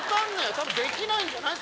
多分できないんじゃない？